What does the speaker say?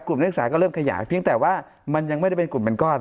กลุ่มเลือกสารก็เริ่มขยายพึ่งแต่ว่ามันยังไม่ได้เป็นกลุ่มเป็นก้อน